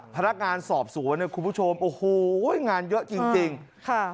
พนักงานสอบสวนเนี่ยคุณผู้ชมโอ้โหงานเยอะจริงจริงค่ะ